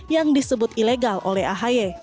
yang disebut ilegal oleh ahy